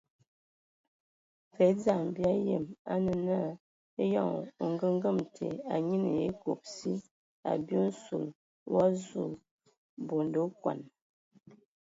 Və e dzam bia yəm a nə na, eyɔŋ ongəgəma te a nyiinə ya a ekob si,a bye nsul o wa zu bonde okɔn.